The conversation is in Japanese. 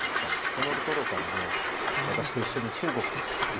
そのころから私と一緒に中国行って。